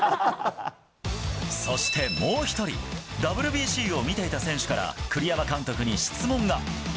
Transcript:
そして、もう１人、ＷＢＣを見ていた選手から、栗山監督に質問が。